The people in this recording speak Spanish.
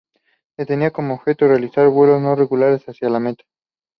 Se tenía como objetivo realizar vuelos no regulares hacia el Meta.